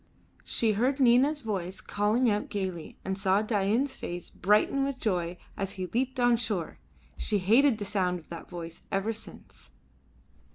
She heard Nina's voice calling out gaily, and saw Dain's face brighten with joy as he leaped on shore. She hated the sound of that voice ever since.